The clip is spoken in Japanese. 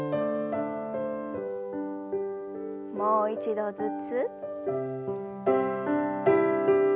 もう一度ずつ。